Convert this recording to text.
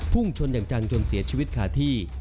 ชนอย่างจังจนเสียชีวิตขาดที่